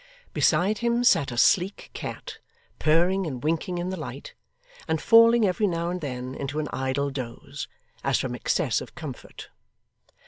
Beside him sat a sleek cat, purring and winking in the light, and falling every now and then into an idle doze, as from excess of comfort.